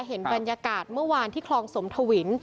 เห็นบรรยากาศเมื่อวานที่คลองสมทวิน